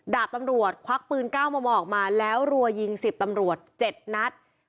ดาบตำรวจควักปืน๙มมออกมาแล้วรัวยิง๑๐ตำรวจ๗นัด